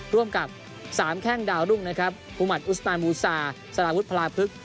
ร่วมกับสามแข่งดาวรุ่งนะครับภูมิวัตน์อูสนานวูสาสลาพุทธพลาพฤกษ์